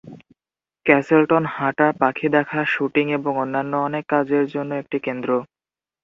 ক্যাসেলটন হাঁটা, পাখি দেখা, শুটিং এবং অন্যান্য অনেক কাজের জন্য একটি কেন্দ্র।